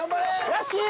屋敷！